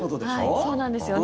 そうなんですよね。